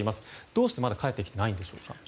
どうしてまだ返ってきていないのでしょうか。